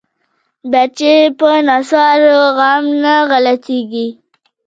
بچيه په نسوارو غم نه غلطيګي.